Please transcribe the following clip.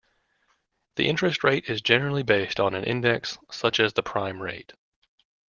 The interest rate is generally based on an index, such as the prime rate.